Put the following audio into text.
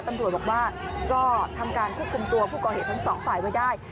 ตำรวจบอกว่าก็ทำการควบคุมตัวผู้ก่อเหตุทั้งสองฝ่ายไว้ได้